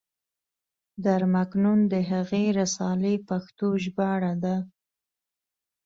در مکنون د هغې رسالې پښتو ژباړه ده.